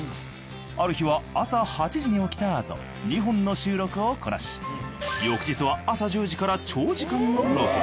ある日は朝８時に起きたあと２本の収録をこなし翌日は朝１０時から長時間のロケ。